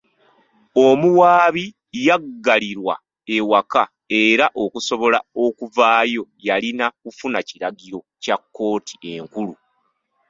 Omuwaabi yaggalirwa ewaka era okusobola okuvaayo yalina kufuna kiragiro kya kkooti enkulu.